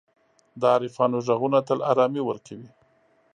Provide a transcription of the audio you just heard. د عارفانو ږغونه تل آرامي ورکوي.